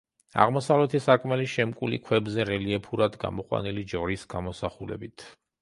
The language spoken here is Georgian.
აღმოსავლეთი სარკმელი შემკული ქვებზე რელიეფურად გამოყვანილი ჯვრის გამოსახულებით.